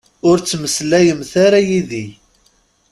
Ur ttmeslayemt ara yid-i.